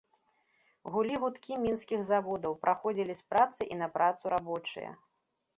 Гулі гудкі мінскіх заводаў, праходзілі з працы і на працу рабочыя.